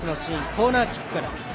コーナーキックから。